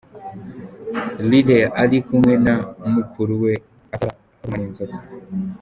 Riley ari kumwe na mukuru we atararumwa n’inzoka.